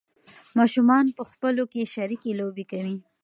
ماشومان په خپلو کې شریکې لوبې کوي.